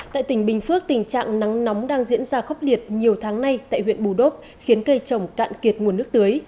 tại tỉnh bình phước tình trạng nắng nóng đang diễn ra khốc liệt nhiều tháng nay tại huyện bù đốp khiến cây trồng cạn kiệt nguồn nước tưới